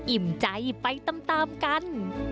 อิ่มใจไปตามกัน